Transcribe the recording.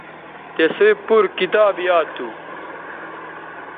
تِسئ پور کتاب یاد تھو